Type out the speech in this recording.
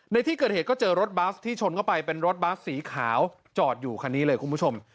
ในที่เกิดเหตุก็เจอรถบัสที่ชนเข้าไปเป็นรถบัสสีขาวจอดอยู่คันนี้เลยคุณผู้ชม